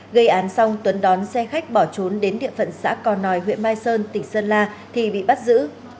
gây án xong tuấn đón xe khách bỏ trốn đến địa phận xã cò nòi huyện mai sơn tỉnh sơn la thì bị bắt giữ